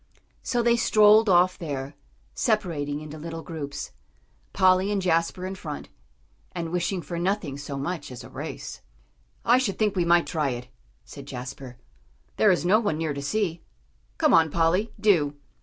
So they strolled off there, separating into little groups; Polly and Jasper in front, and wishing for nothing so much as a race. "I should think we might try it," said Jasper; "there is no one near to see. Come on, Polly, do."